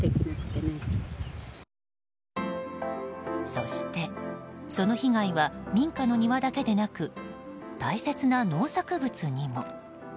そして、その被害は民家の庭だけでなく大切な農作物にも。